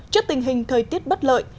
trước tình hình thời tiết bất lợi